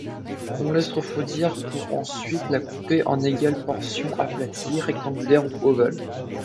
On laisse refroidir pour ensuite la couper en égales portions aplaties, rectangulaires ou ovales.